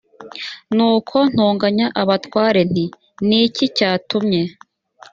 nuko ntonganya abatware nti ni iki cyatumye